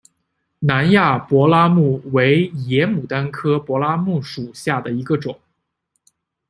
南亚柏拉木为野牡丹科柏拉木属下的一个种。